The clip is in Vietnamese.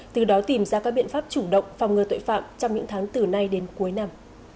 từ đó tìm ra các biện pháp chủ động phòng ngừa tội phạm trong những tháng từ nay đến cuối năm